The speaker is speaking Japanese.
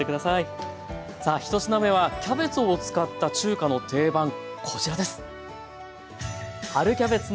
さあ１品目はキャベツを使った中華の定番こちらです。